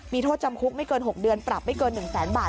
มีโทษจำคุกไม่เกิน๖เดือนปรับไม่เกิน๑แสนบาท